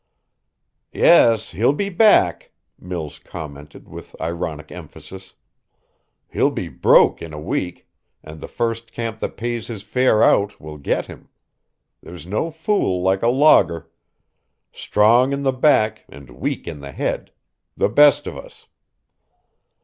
"Yes, he'll be back," Mills commented with ironic emphasis. "He'll be broke in a week and the first camp that pays his fare out will get him. There's no fool like a logger. Strong in the back and weak in the head the best of us."